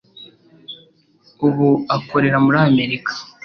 ubu akorera muri Amerika